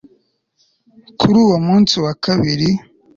kuri uwo munsi wa kabiri